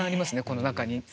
この中に。